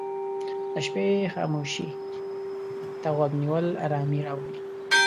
د شپې خاموشي ته غوږ نیول آرامي راولي.